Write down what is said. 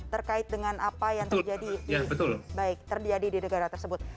terkait dengan apa yang terjadi di negara tersebut